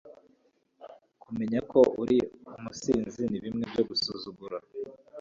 kumenya ko uri umusizi nibintu byo gusuzugura